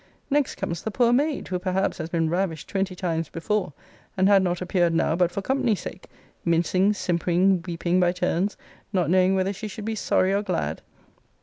Next comes the poor maid who, perhaps, has been ravished twenty times before; and had not appeared now, but for company sake; mincing, simpering, weeping, by turns; not knowing whether she should be sorry or glad.